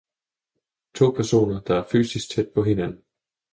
To personer der er fysisk tæt på hinanden